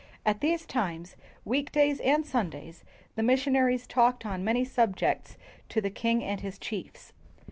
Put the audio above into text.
At these times, week days and Sundays, the missionaries talked on many subjects to the king and his chiefs.